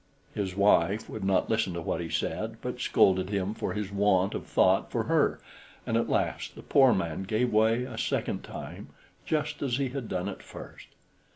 His wife would not listen to what he said, but scolded him for his want of thought for her; and at last the poor man gave way a second time, just as he had done at first.